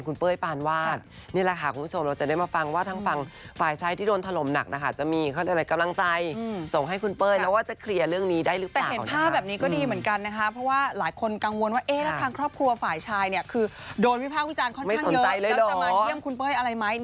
คือโดนวิพากษ์วิจารณ์ค่อนข้างเยอะแล้วจะมาเยี่ยมคุณเป๊ย์อะไรไหม